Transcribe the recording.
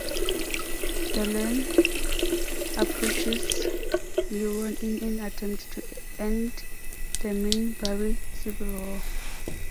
Delenn approaches Neroon in an attempt to end the Minbari civil war.